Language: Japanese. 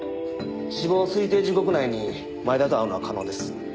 死亡推定時刻内に前田と会うのは可能です。